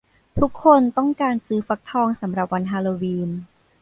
ทุกคนต้องการซื้อฟักทองสำหรับวันฮาโลวีน